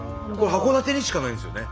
函館にしかないんですよね？